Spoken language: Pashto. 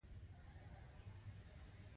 په بدل کې به یې له هغه یوه اندازه سکاره اخیستل